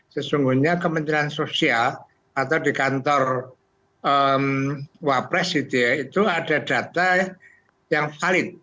sesungguhnya kementerian sosial atau di kantor wapres itu ada data yang valid